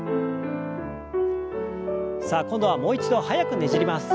さあ今度はもう一度速くねじります。